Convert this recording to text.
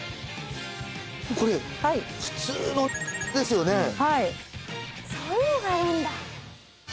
これ普通の○○ですよね？